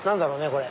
これ。